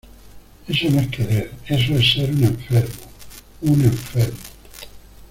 eso no es querer. eso es ser un enfermo . un enfermo .